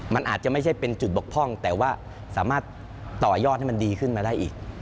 มันอาจจะไม่ใช่เป็นจุดบกพร่องแต่ว่าสามารถต่อยอดให้มันดีขึ้นมาได้อีก